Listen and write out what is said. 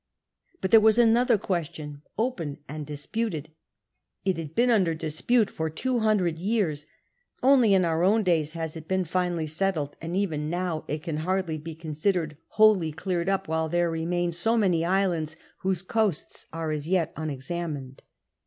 But there was another question open and disputed. It liiul been under dispute for two hundred years ; only in our own days has it been finally settled, and even now it can hardly be considered wholly cleared up while there remain so many islands whoso coasts are as yet unexamined.